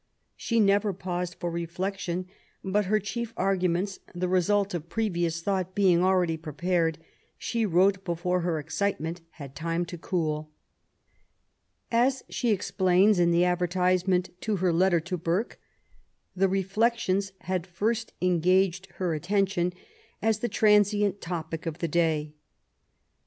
Sbe nerer pmsed for reflection, but ber chief argnments, the re suit rf prerioos thon^t, being already piepued^ she wrote before her excitement had time to cooL As Ae e rplains in the Advertisement to her Leiter to Bwke, the Refiedims had first engaged her atten IB the transient topic of the day.